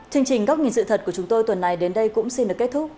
chương trình góc nhìn sự thật của chúng tôi tuần này đến đây cũng xin được kết thúc